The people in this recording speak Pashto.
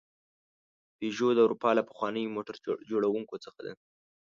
پيژو د اروپا له پخوانیو موټر جوړونکو څخه ده.